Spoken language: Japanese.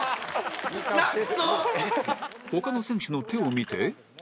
他の選手の手を見て